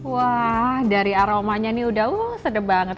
wah dari aromanya ini sudah sedap banget